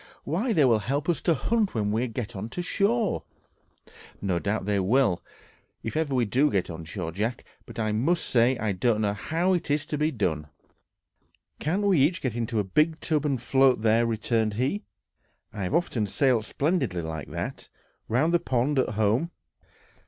Why, they will help us to hunt when we get on shore!" "No doubt they will, if ever we do get on shore, Jack; but I must say I don't know how it is to be done." "Can't we each get into a big tub, and float there?" returned he. "I have often sailed splendidly like that, round the pond at home."